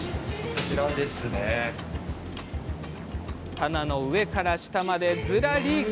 棚の上から下まで、ずらり。